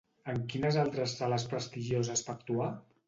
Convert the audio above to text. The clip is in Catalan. En quines altres sales prestigioses va actuar?